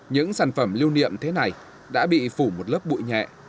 những sản phẩm lưu niệm thế này đã bị phủ một lớp bụi nhẹ